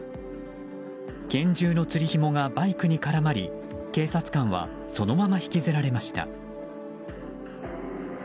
拳銃のつりひもがバイクに絡まり警察官はそのまま引きずられました。